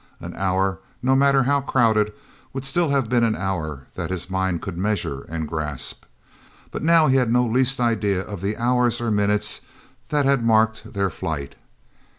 An hour, no matter how crowded, would still have been an hour that his mind could measure and grasp. But now he had no least idea of the hours or minutes that had marked their flight.